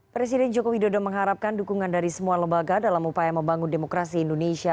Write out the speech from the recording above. presiden joko widodo mengharapkan dukungan dari semua lembaga dalam upaya membangun demokrasi indonesia